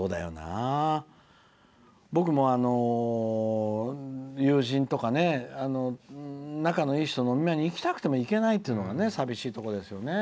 僕も、友人とか仲のいい人のお見舞いに行きたくても行けないっていうのがさびしいところですよね。